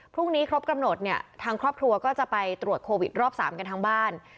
พรุ่งนี้ครบกำหนดเนี่ยทางครอบครัวก็จะไปตรวจโควิดรอบ๓กันทั้งบ้าน